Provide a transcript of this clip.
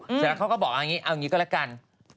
เสร็จแล้วเขาก็บอกเอาอย่างนี้ก็แล้วกัน